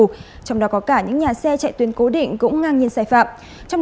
trong đó có cả những nhà xe chạy tuyến cố định cũng ngang nhiên sai phạm